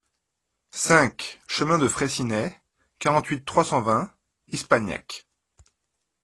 cinq chemin de Fraissinet, quarante-huit, trois cent vingt, Ispagnac